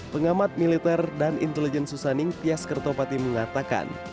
pengamat militer dan intelijen susaning tias kertopati mengatakan